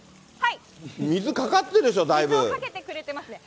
水かかってるでしょ、水をかけてくれていますね。